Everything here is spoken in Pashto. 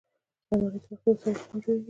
الماري د برقي وسایلو لپاره هم جوړیږي